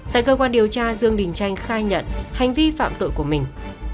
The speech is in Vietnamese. tại cơ quan điều tra dương đình chanh khai nhận hành vi phạm tội của mình